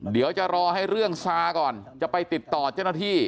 เดี๋ยวจะรอให้เรื่องซาก่อนจะไปติดต่อเจ้าหน้าที่